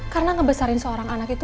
karena ngebesarin seorang anak itu